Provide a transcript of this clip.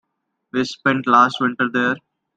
We spent last winter there.